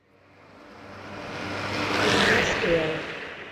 Shira mask yawe